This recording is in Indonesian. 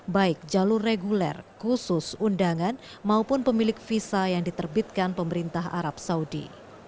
baik jalur reguler khusus undangan maupun pemilik visa yang diterbitkan pemerintah arab saudi